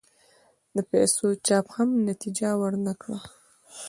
د پیسو چاپ هم نتیجه ور نه کړه.